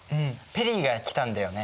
ペリーが来たんだよね。